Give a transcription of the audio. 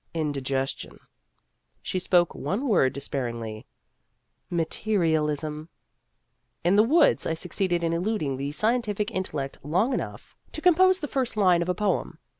" Indigestion." She spoke one word despairingly " Materialism." In the woods, I succeeded in eluding the Scientific Intellect long enough to 258 Vassar Studies compose the first line of a poem.